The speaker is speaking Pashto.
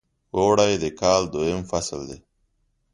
اوړی د کال دویم فصل دی .